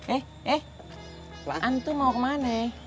eh eh lo antum mau kemana